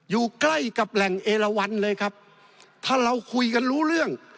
อยู่ใกล้กับแหล่งเอลวันเลยครับถ้าเราคุยกันรู้เรื่อง